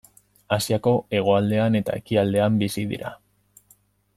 Asiako hegoaldean eta ekialdean bizi dira.